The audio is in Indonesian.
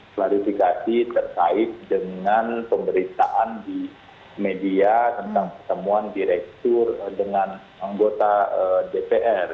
klarifikasi terkait dengan pemberitaan di media tentang pertemuan direktur dengan anggota dpr